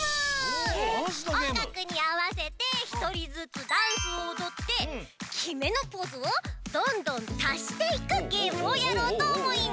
おんがくにあわせてひとりずつダンスをおどってきめのポーズをどんどんたしていくゲームをやろうとおもいます。